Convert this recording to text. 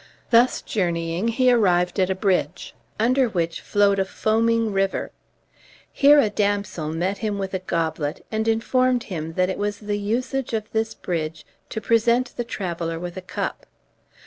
Thus journeying he arrived at a bridge, under which flowed a foaming river. Here a damsel met him with a goblet, and informed him that it was the usage of this bridge to present the traveller with a cup.